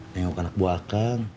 nengok anak buah akang